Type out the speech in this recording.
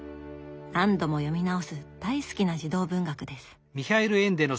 何度も読み直す大好きな児童文学です。